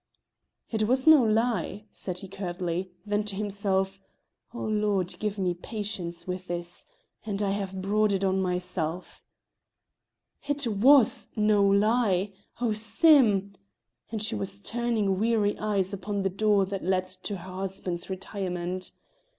"It was no lie," said he curtly; then to himself: "Oh, Lord, give me patience with this! and I have brought it on myself." "It was no lie. Oh, Sim!" (And still she was turning wary eyes upon the door that led to her husband's retirement.)